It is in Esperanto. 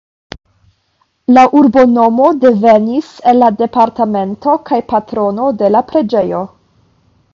La urbonomo devenis el la departemento kaj patrono de la preĝejo.